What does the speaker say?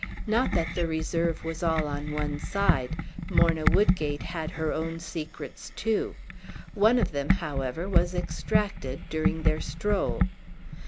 Not that the reserve was all on one side. Morna Woodgate had her own secrets too. One of them, however, was extracted during their stroll.